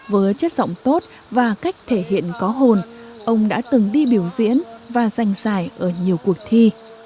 với chất giọng tốt và cách thể hiện có hồn ông đã từng đi biểu diễn và giành giải ở nhiều cuộc thi